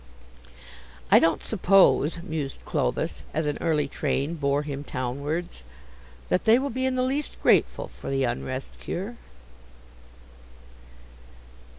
"I don't suppose," mused Clovis, as an early train bore him townwards, "that they will be in the least grateful for the Unrest cure."